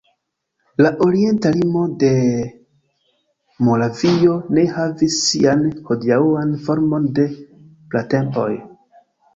La orienta limo de Moravio ne havis sian hodiaŭan formon de pratempoj.